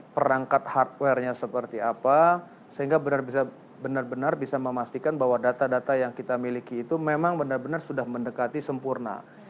perangkat hardware nya seperti apa sehingga benar benar bisa memastikan bahwa data data yang kita miliki itu memang benar benar sudah mendekati sempurna